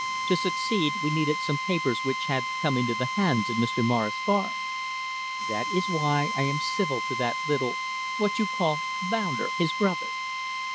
To succeed we needed some papers which had come into the hands of Mr. Morris Barnes. That is why I am civil to that little what you call bounder, his brother."